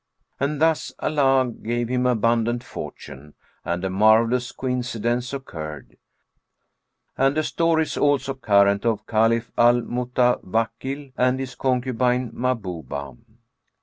And thus Allah gave him abundant fortune; and a marvellous coincidence occurred. And a story is also current of CALIPH AL MUTAWAKKIL AND HIS CONCUBINE MAHBUBAH.